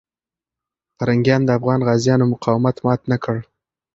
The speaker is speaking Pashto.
پرنګیان د افغان غازیانو مقاومت مات نه کړ.